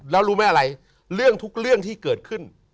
แล้วรู้ไหมอะไรเรื่องทุกเรื่องที่เกิดขึ้น